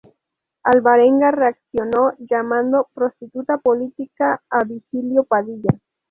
Alvarenga reaccionó llamando "prostituta política" a Virgilio Padilla.